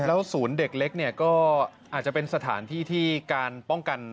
แล้วศูนย์เด็กเล็กเนี่ยก็อาจจะเป็นสถานที่ที่การป้องกัน